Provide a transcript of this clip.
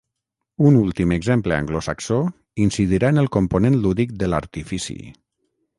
Un últim exemple anglosaxó incidirà en el component lúdic de l'artifici.